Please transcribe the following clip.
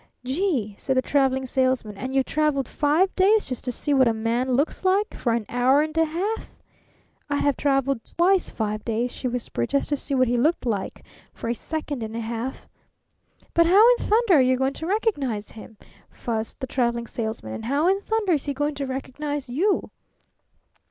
"Gee!" said the Traveling Salesman. "And you've traveled five days just to see what a man looks like for an hour and a half?" "I'd have traveled twice five days," she whispered, "just to see what he looked like for a second and a half!" "But how in thunder are you going to recognize him?" fussed the Traveling Salesman. "And how in thunder is he going to recognize you?"